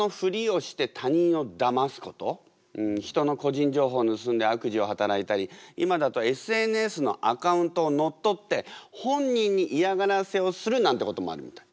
人の個人情報盗んで悪事を働いたり今だとＳＮＳのアカウントを乗っ取って本人に嫌がらせをするなんてこともあるみたい。